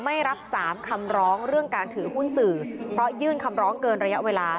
ไม่รับสามคำร้องเรื่องการถือหุ้นสื่อเพราะยื่นคำร้องเกินระยะเวลา